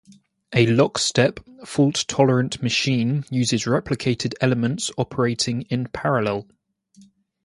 A lockstep fault-tolerant machine uses replicated elements operating in parallel.